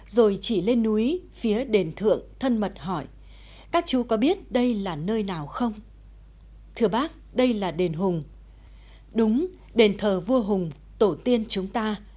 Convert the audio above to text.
rồi chỉ lên núi phía đền thượng thân mật hỏi các chú có biết đây là nơi nào không thưa bác đây là đền hùng đúng đền thờ vua hùng tổ tiên chúng ta